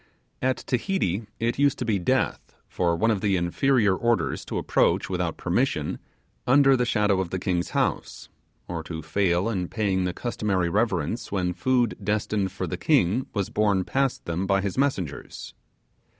At Tahiti it used to be death for one of the inferior orders to approach, without permission, under the shadow, of the king's house; or to fail in paying the customary reverence when food destined for the king was borne past them by his messengers.